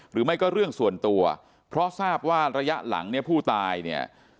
หรือไม่ก็เรื่องส่วนตัวเพราะทราบว่าระยะหลังเนี่ยผู้ตายเนี่ย